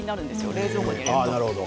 冷蔵庫に入れると。